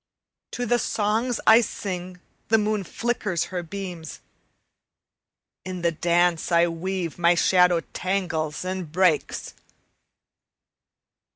To the songs I sing the moon flickers her beams; In the dance I weave my shadow tangles and breaks.